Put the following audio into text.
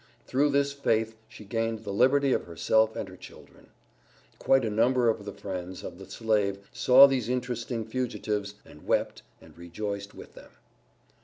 Through this faith she gained the liberty of herself and her children. Quite a number of the friends of the slave saw these interesting fugitives, and wept, and rejoiced with them.